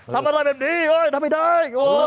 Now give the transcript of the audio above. ทำอะไรแบบนี้เฮ้ยทำไม่ได้